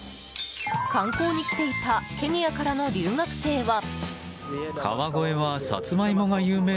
観光に来ていたケニアからの留学生は。